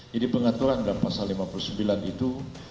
jadi pengaturan dalam pasal lima puluh sembilan itu